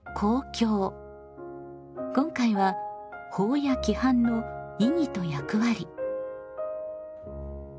今回は「法や規範の意義と役割」。